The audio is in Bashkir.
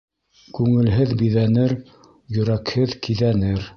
Күңелһеҙ биҙәнер, йөрәкһеҙ киҙәнер.